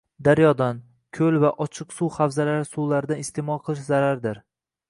daryodan, ko‘l va ochiq suv havzalari suvlaridan iste’mol qilish zarardir